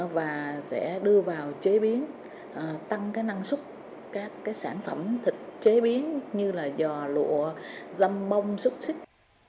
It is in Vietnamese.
và sẽ đưa vào chế biến tăng cái năng suất các cái sản phẩm thịt chế biến như là giò lụa dâm bông xúc xích